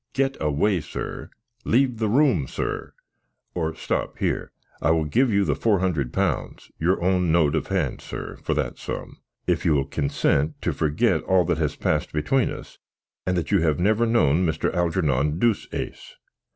Get away, sir! Leave the room, sir! Or, stop here I will give you four hundred pounds your own note of hand, sir, for that sum, if you will consent to forget all that has passed between us, and that you have never known Mr. Algernon Deuceace."